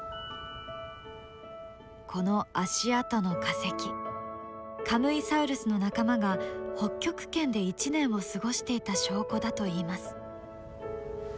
この足跡の化石カムイサウルスの仲間が北極圏で一年を過ごしていた証拠だといいます。